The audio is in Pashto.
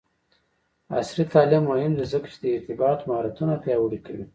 عصري تعلیم مهم دی ځکه چې د ارتباط مهارتونه پیاوړی کوي.